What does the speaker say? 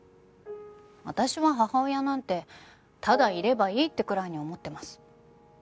私は母親なんてただいればいいってくらいに思ってます。